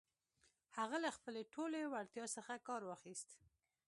هغه له خپلې ټولې وړتيا څخه کار واخيست.